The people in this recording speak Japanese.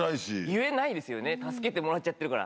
言えないですよね助けてもらっちゃってるから。